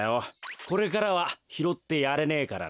これからはひろってやれねえからな。